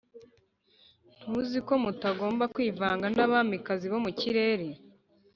ntuzi ko mutagomba kwivanga n'abamikazi bo mu kirere?